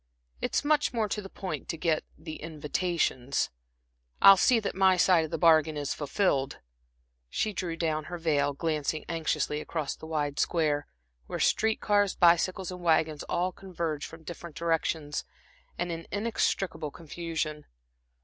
"It's much more to the point to get the invitations. I'll see that my side of the bargain is fulfilled." She drew down her veil, glancing anxiously across the wide Square, where street cars, bicycles and wagons all converge from different directions and in inextricable confusion.